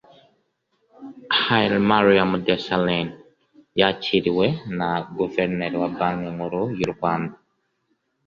Hailemariam Desalegn yakiriwe na Guverineri wa Banki Nkuru y’u Rwanda